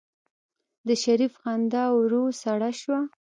د شريف خندا ورو سړه شوه.